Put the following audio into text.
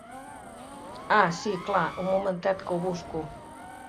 Ah si clar, un momentet que ho busco.